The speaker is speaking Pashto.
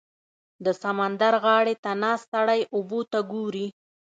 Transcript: • د سمندر غاړې ته ناست سړی اوبو ته ګوري.